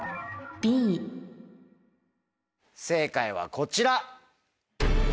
正解はこちら。